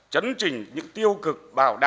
chấn trình những tiêu cực bảo đảm